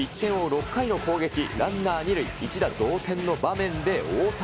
６回の攻撃、ランナー２塁、一打同点の場面で大谷。